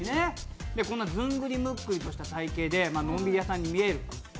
こんなずんぐりむっくりとした体型で、のんびり屋さんに見える。